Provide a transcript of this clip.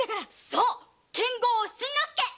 そう剣豪新之助。